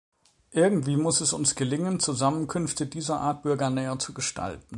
Irgendwie muss es uns gelingen, Zusammenkünfte dieser Art bürgernäher zu gestalten.